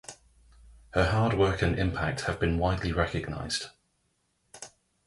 Her hard work and impact have been widely recognized.